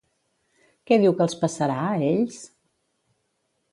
Què diu que els passarà, a ells?